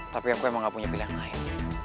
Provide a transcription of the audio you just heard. tapi aku emang gak punya pilihan lain